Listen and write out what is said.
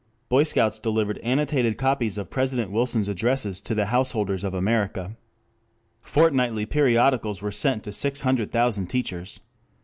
Boy scouts delivered annotated copies of President Wilson's addresses to the householders of America. Fortnightly periodicals were sent to six hundred thousand teachers.